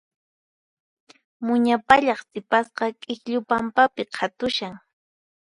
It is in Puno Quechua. Muña pallaq sipasqa k'ikllu pampapi qhatushan.